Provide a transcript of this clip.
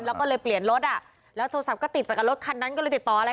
แล้วก็เลยเปลี่ยนรถอ่ะแล้วโทรศัพท์ก็ติดไปกับรถคันนั้นก็เลยติดต่ออะไร